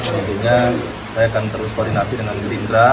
tentunya saya akan terus koordinasi dengan gerindra